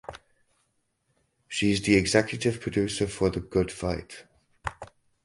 She is the executive producer for "The Good Fight".